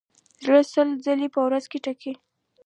زړه سل زره ځلې په ورځ ټکي.